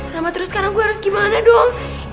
rama terus sekarang gue harus gimana dong